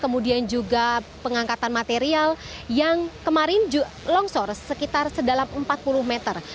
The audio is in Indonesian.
kemudian juga pengangkatan material yang kemarin longsor sekitar sedalam empat puluh meter